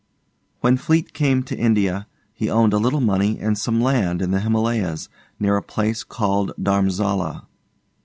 When Fleete came to India he owned a little money and some land in the Himalayas, near a place called Dharmsala.